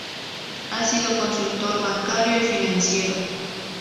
Ha sido consultor bancario y financiero.